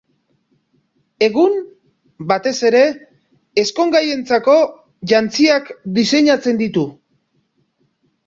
Egun, batez ere, ezkongaientzako jantziak diseinatzen ditu.